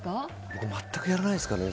僕、全くやらないですからね。